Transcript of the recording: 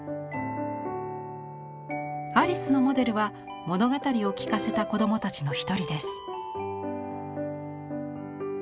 アリスのモデルは物語を聞かせた子供たちの１人です。